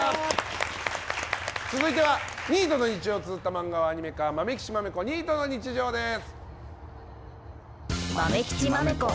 続いてはニートの日常をつづった漫画をアニメ化「まめきちまめこニートの日常」です。